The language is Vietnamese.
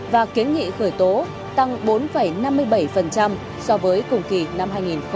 và kiến nghị khởi tố tăng bốn năm mươi bảy so với cùng kỳ năm hai nghìn một mươi chín